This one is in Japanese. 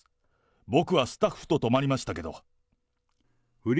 僕はスタッフと泊まりましたけど。